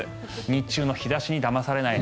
日中の日差しにだまされない。